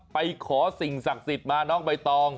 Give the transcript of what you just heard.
ไปขอสิ่งศักดิ์สิทธิ์มาน้องใบตอง